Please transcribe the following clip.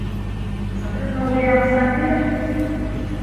¿nosotros no hubiéramos partido?